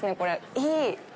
いい。